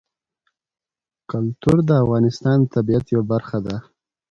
کلتور د افغانستان د طبیعت برخه ده.